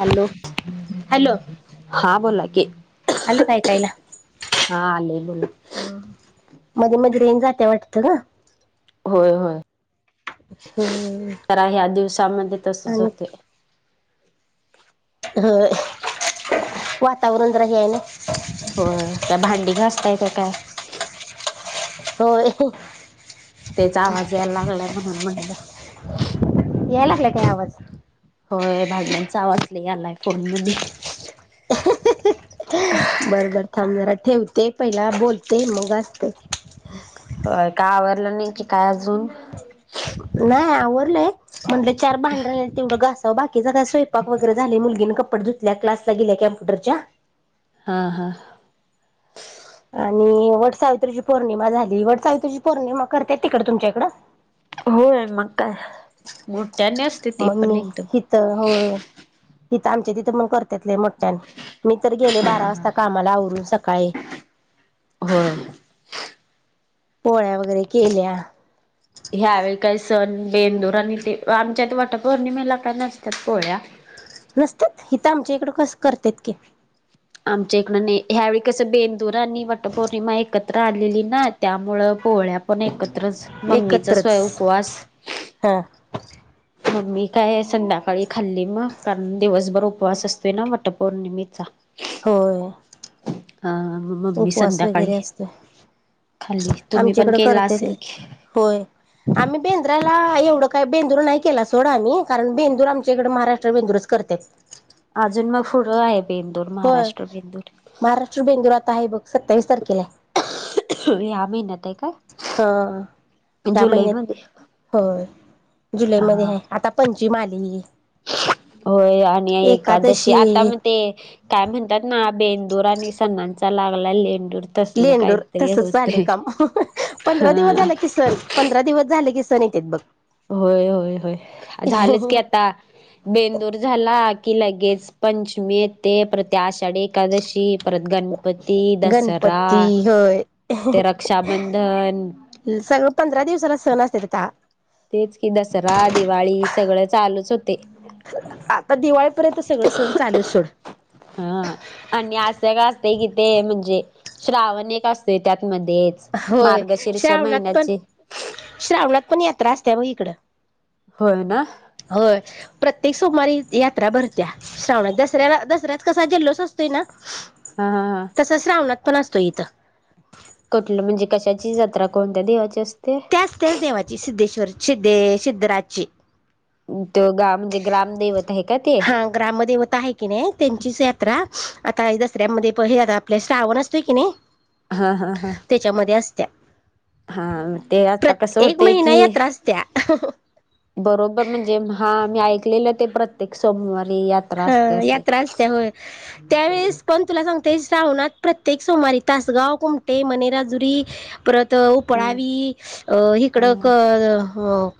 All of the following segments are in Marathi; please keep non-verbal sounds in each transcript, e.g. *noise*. हॅलो हॅलो हा बोला क आलं काय कायला आले बोला हो मध्ये मध्ये रेन जाते वाटत का होय होय हम्म करा ह्या दिवसांमध्ये तसच होते ह वातावरणच हे आहे ना हो काय भांडी घ असतय काय काय होय त्याचा आवाज यायला लागलाय म्हणून म्हणलं याय लागला काय आवाज होय भांडण्यांचा आवाजलं यालाय फोन मध्ये बरं बर समजरा ठेवते पहिला बोलते मग असते होय काय आवडलं नाही कि काय अजून म्ह चार भांडवं घा बाकीच स्वयक वरे झाले मुल पधुतल्या क्लासला गेल्या कॅम्प्युटरच्या हा हा आणि वट सावित्रीची पौर्णिमा झाली वटसावित्रीची पौर्णिमा करते तिकड तुमच्या इकडं होय मग काय मोठ्यानी असते ते मग पण मी एकदम हिथं होय तिथं आमच्या तिथं मग करततेेतले मगच्या मी तर गेले बारा वाजता कामाला आवरून सका काय? हम. पोळ्या वगैरे केल्या. ह्यावेळी काही सण बेंदूर आणि ते आमच्यात वटपौर्णिमेला काय नसतात पोळ्या नसतात हिथ आमच्या इकड कस करतत की आमच्या इकडं ह्यावेळी कसं बेंदूर आणि वटपौर्णिमा एकत आलेली ना त्यामुळे पोहळ्या पण एकत्रच मम्मीचा एकत्रच स्वय उपवास हा मग मी काय संध्याकाळी खाल्ली मग कारण दिवसभर उपवास असतोय ना वटपौर्णिमेचा होय हा मग मम्मी उपवास संध्याकाळी वगैरे असत. खाल्ली तुम्ही पण आमच्याकडं केला करते ते असेल की होय. आम्ही बेंद्राला एवढं काही बेंद्रू नाही. केला सोडा आम्ही कारण बेंदूरमच्या इकडे महाराष्ट्र भेंदूरच करत. अजून मग पुढं आहे. बेंदूर होय महाराष्ट्र बेंदूर महाराष्ट्र बेंदूर आता आहे बघ सत्तावीस तारखेला आहे ह महिन्यात आहे काय? त्या जुलैमध्ये महिन्यात हो जुलैमध्ये हा आहे आता पंचम आली. होय आणि एकादशी आता मग ते काय म्हणतात ना बेन दूरानी स नंचालगलालेड लेंडूर तसच चाले काम पंधरा दिवस हा झालं किसन पंधरा दिवस झाले किसन सण येत बघ. होय होय होय झालंच की आता बेंदूर झाला. की लगेच पंचमी येते प्रत आषाढी एकादशी परत गणपती दसरा गणपती होय ते रक्षाबंधन सगळं पंधरा दिवसाला सण असते ते तेच कि दसरा दिवाळी सगळं चालूच होत. आता दिवाळीपर्यंत सगळ सण चालू सोड. हा आणि असं का असते कि ते म्हणजे श्रावण का असत त्यात. मध्येच होय मार्गशीर्ष श्रावणात पण महिन्याची श्रावणात पण येत. त्रासत मग इकड होय ना होय. प्रत्येक सोमवारी यात्रा भरत्या श्रावणात दसऱ्याला दसऱ्यात कसा जल्लोच असतोय ना. हा हा हा तसच रावणात पण असतो इथं. कुठलं म्हणजे कशाची जत्रा कोणत्या देवाची असते. त्याच त्याच देवाची सिद्धेश्वर सिद्धे सिद्धराजची हो. हा ग्रामदेवता आहे की नाही त्यांचीच यात्रा आता दसऱ्यामध्ये पहिले आता आपल्या श्रावण असतोय की नाही. हा हा हा. हा ते आता प्रत कसं एकक होतंय महिना की यात असस्ते बरोबर म्हणजे हा मी ऐकलेलं ते प्रत्येक सोमवार हा यात्रा असत होय त्यावेळेस पण तुला सांगते. सावणात प्रत्येक सोमवारी तासगाव कुमटे मणेराजुरी परत उपळावी अ हिकडं हा कर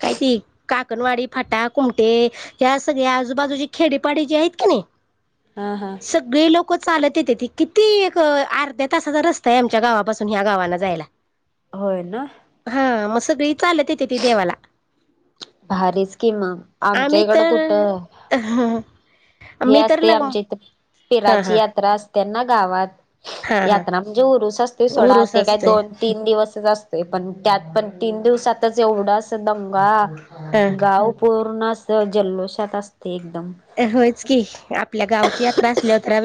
कायती का? अकणवाडी फाटा कुमटे या सगळ्या आजूबाजूची खेडेपाडी जी आहेत की नाही. हा हा सगळे लोक. क चालत येते त किती एक अर्ध्या तासाचा रस्ता आहे आमच्या गावापासून ह्या गावाना जायला. होय ना. चाल तथे त देवाला भारीच कि मग आमच्या आम्ही इकडं तर कुठं हे मी तर असते लग आमच्या इथ हा पिराची हा यात्रा असतेना गावात हा हा यात्रा म्हणजे उरूस असते सोडा उरूस ते काय असतोय दोन तीन दिवस अस पण त्यात पण तीन दिवसातच एवढं अस हा दमंगा गाव पूर्ण अस जल्लोषात असते एकदम होयच आपल्या गावची यात्रा असल्या तरे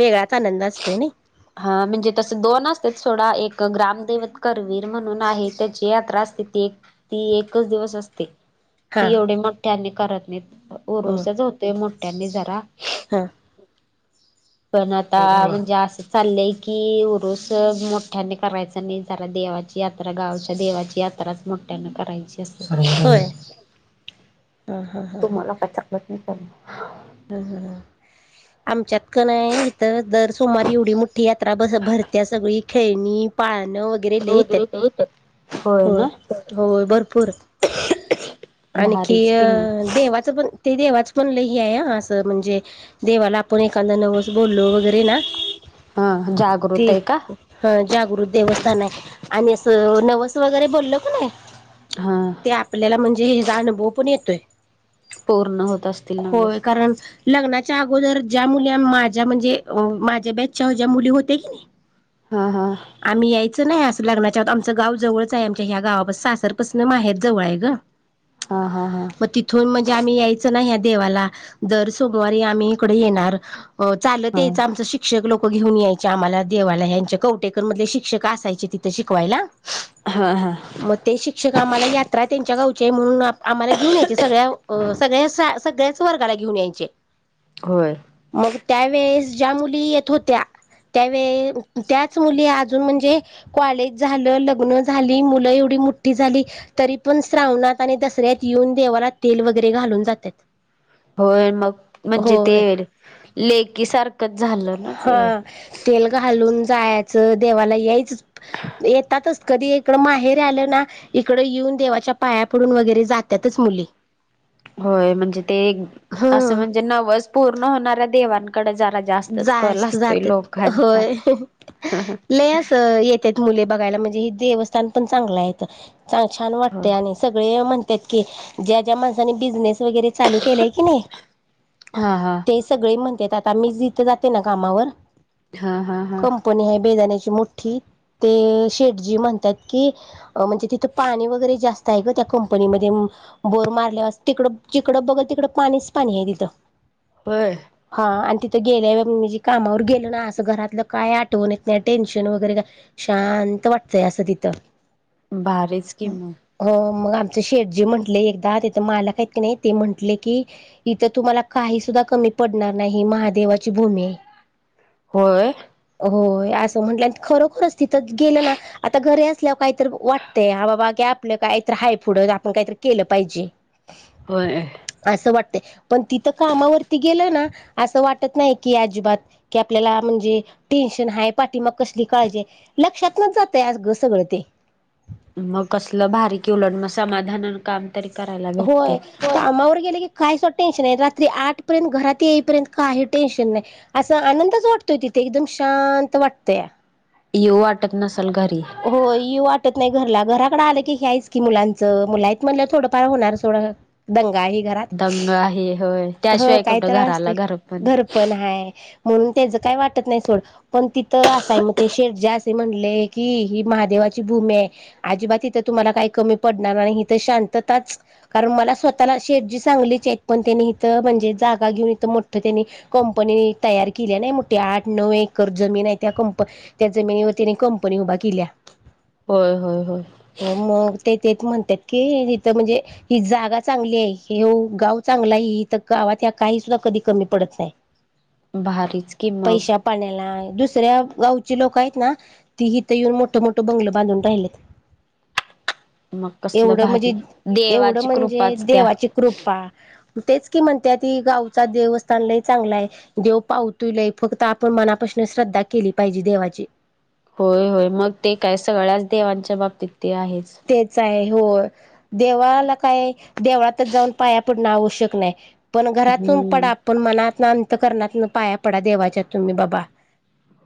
हा म्हणजे तस दोन असते थोडा एक ग्रामदवत करवीर म्हणून आहे त्याची यात्रा असते ती ती एकच दिवस असते हा ती एवढी मोठठ्यांनी करत नाही ह उरुसच होतोय मोठठ्यांनी जरा हा पण आता म्हणजे असं चाललंय की उरुस मोठ्यानी करायच नाही जरा देवाची यात्रा गावच्या देवाची यात्रा मोठ्या करायची होय ह ह ह तुम्हाला काही कट नाही आमच्यात कणय इथं दर सुमार एवढी मोठी यात्रा भरत्या सगळी खेळणी पाळणं वगैरे लिहित का? होय होय भरपूर आणखी भारीच अ कि मग देवाचं पण ते देवाच पण ल आहे असं म्हणजे देवाला आप कदा नवस ग लो वगैरे ना हा जागृत आहे का? हा जागृत देवस्थान आहे आणि असं नवस वगैरे बोलल क नाही हा ते आपल्याला म्हणजे हचा अनुभव पण येतोय पूर्ण होत असतील होय नवस कारण लग्नाच्या अगोदर ज्या मुली माझ्या म्हणजे माझ्या ब्याचच्या ज्या मुली होते की नाही हा हा आम्ही यायचं नाही अस लग्नानच्या आ आमच गाव जवळच आहे आमच्या्या गावापस सासरपसूनं माहेर जवळ आहे ग हा हा हा मग तिथून म्हणजे आम्ही यायच नाही या देवाला दर सोमवारी आम्ही इकडे येणार चालत हा यायच आमच शिक्षक लोक घेऊन यायचे आम्हाला देवाला यांच्या कवटेकर मधले शिक्षक असायचे तिथं शिकवायला हा हा मग ते शिक्षक आम्हाला यात्रा त्यांच्या गावची म्हणून आम्हाला घेऊन यायचे सगळ्या सगळ्या सगळ्याच वर्गाला घेऊन यायचे होय मग त्यावेेळेस ज्या मुली येत होत्या त्यावे त्याच मुली अजून म्हणजे कॉलेज झालं लग्न झाली मुलं एवढ ठी झाली तरी पण श्रावणात आणि दसऱ्यात येऊन देवाला तेल वगैरे घालून जातात होय मग म्हणजे ते होय लेकी सारखंच झालं ना ते हा तेल घालून जायचं देवाला याच येतातच कधी इकडं माहेर आलं ना इकडं येऊन देवाच्या पाया पडून वगैरे जातातच मुली होय म्हणजे ते असं ह म्हणजे नवस पूर्ण होणारऱ देवां जास्त जात लोकांचा. होय लस येत त्यात मुले बघायला म्हणजे हेि देवस्थान पण चांगलं आहे चां छान होय. वाटतंय आणि सगळे म्हण ज्या ज्या माणसानी बिझनेस वरे चालू केय की नाही हा हा ते सगळे म्हणत आता म ते जाते ना कामावर हा हा हा कंपनी ह बेजण्याची मो्ठी ते शेटजी म्हणतात की म्हणजे तिथं पाणी वगैरे जास्त आहे ग त्या कंपनीमध्ये बोर मारल्यावर तिकडं तिकडं बघत तिकडं पाणीच पाणी हे तिथं होय हा आणि गेल्या म्हणजे कामावर गेलो ना असं घरातलं काय आठवण येत नाही टेन्शन वगैरे शांत वाटतंय असं तिथं भारीच किम हो मग आम शेडजी म्हंटले एकदा तथ मालक आहेत की नाही ते म्हटले की इथ तुम्हाला काही सु कमी पडणार नाही महादेवाची भूमी आहे होय होय असं म्हंट खरोखरच तिथंच गेलं ना आता घरी असल्यावर काहीत वाटतंय ह बाबा आपलं काहीत हाय फुड आपण काहीतरी केलं पाहिजे. होय. असं वाटतंय पण तिथ कामावरती गेलं ना असं वाट नाही की अजिबात की आपल्याला म्हणजे टेन्शन हाय पाठी मग कली काळजी लक्षात जातय आज घ सगळ ते मग कसलं भारी की उलट मग समाधान काम तरी करायला होय भेटते. कामावर गेले की, काही स टेन्शन आहे रात्री आठ पर्यंत घरात येईपर्यंत काही टेन्शन नाही असा आनंदच वाटतोय तिथ ते एकदम शांत वाटत या, येऊ वाटत नस हो येऊ वाटत नाही घरला घराकडे आलं की हे्यायच की मुलांच मुला म्हणलं थोडंफार होणार सोडं ा घरात दंग आहे होय ह त्याशिवाय काही कुठं त्र असते घराला घर पण ह *inaudible* म्हणून त्याचं काही वाटत नाही सोड पण तिथं असाय मग ते शेडजा असे म्हणले. कि ही महादेवाची भूमी आहे अजिबात तिथे तुम्हाला काही कमी पडणार नाही हि तर शांतताच कारण मला स्वतःला शेड जी सांगलीचे आहेत पण त्यानी इथं म्हणजे जागा घेऊन इथ मोठं त्यानी तर के आठ न ए ज क जवर *inaudible* आपणी उभा केल्या होय होय. मग ते म्हणतात की तिथं म्हणजे ही जागा चांगली आहे हे गाव चांगला आहे ही इथं गावात त्या काही सुद्धा कधी कमी पडत नाही भारीच कि मग पैशा पाण्याला दुसऱ दुसऱ्या गावची लोक आहेत ना, ती इथं येऊन मोठं मोठं बंगलं बांधून राहिलेत मग कसलं एवढं म्हणजे भारी एवढं देवाची म्हणजे कृपाच त्या देवाची कृपा तेच की म्हणते की गावचा देवस्थान लय चांगला आहे देव पावत लय फक्त आपण मनाप श्रद्धा केली पाहिजे देवाची होय होय मग ते काय सगळ्याच देवांच्या बाबतीत ते आहेच. तेच आहे हो देवाला काय देवळातच जाऊन पाया पडणं आवश्यक नाही. पण घरातून हम्म पडा पण मनात ना अंतकरनातून पाया पडा देवाच्या तुम्ही बाबा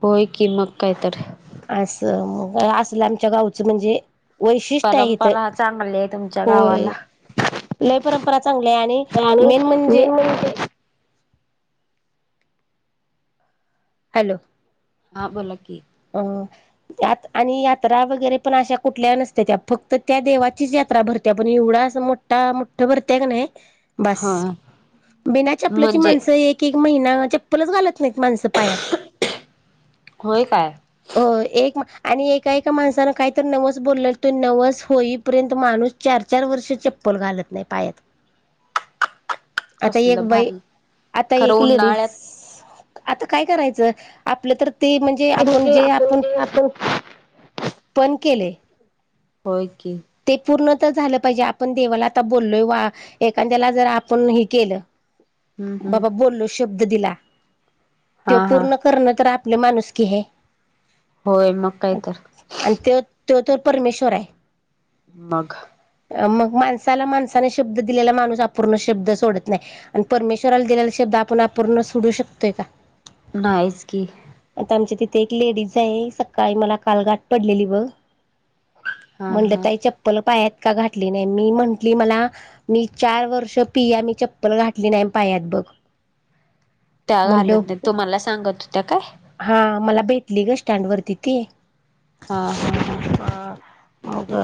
होय कि मग काय तर. असल आमच्या गावच म्हणजे वैशिष्ट्य आहे तर परंपरा चांगली आहे तुमच्या होय. गावाला. आपलय परंपरा चांगली आहे आणि मेन म्हणजे. हॅलो. हा बोला की. अ आणि यात्रा वगैरे पण अशा कुठल्या नसत त्या फक्त त्या देवाचीच यात्रा भरते. पण एवढा अस मोठा मोठ भरतेय का नाही. बस हा बिना चप्पल्याची म्हणजे माणसं एक एक महिना चप्पलच घालत नाही माण होय काय हो एक म आणि एका एका माणसानं काहीत नवस बोलले तो नवस होईपर्यंत माणूस चार चार वर्षाच्या चप्पल घालत नाही पायात. आता एक कसलं बाई भारी आता खरं एक लेडीज उन्हाळ्यात आता काय करायचं आपलं तर ते म्हणजे आपण जे आपण उ बण केले. *inaudible* होय. की ते पूर्ण झालं पाहिजे आपण देवाला आता बोललोय वा एखाद्याला जर आपण हे केलं. हम्म हम्म बाबा बोललो शब्द दिला त्यो हा हा पूर्ण करण तर माणुसकी आहे. होय मग काय तर. त तर परमेश्वर आहे. मग. मग माणसाला माणसाने शब्द दिलेला माणूस अपूर्ण शब्द सोडत नाही आणि परमेश्वराला दिलेला शब्द. आपण अूर्ण सोडू शकतोय का. नाइचकी. आता आमच्या तिथे एक लेडीज आहे सकाळी मला कालगाठ पडलेली ब. हा हा म्हंलताई चप्पल पायात. का घातली नाही मी म्हंटली मला मी चार वर्ष पिया मी चप्पल घाठली नाही पायात बघ. त्या घालत म्हटल नाही तुम्हाला सांगत होत्या काय हा मला भेट. ललीग स्टँड वरतीि ते. हा हा हा. म का.